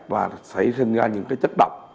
và xảy ra những chất độc